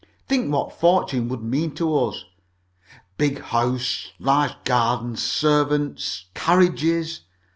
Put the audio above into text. Think what fortune would mean to us. Big house, large garden, servants, carriages.